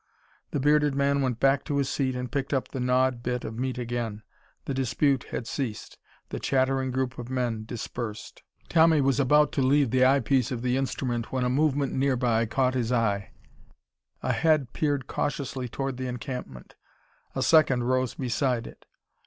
The bearded man went back to his seat and picked up the gnawed bit of meat again. The dispute had ceased. The chattering group of men dispersed. Tommy was about to leave the eyepiece of the instrument when a movement nearby caught his eye. A head peered cautiously toward the encampment. A second rose beside it.